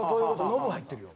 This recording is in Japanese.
「ノブ」入ってるよ。